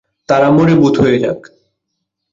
তারা মরে ভুত হয়ে যাক!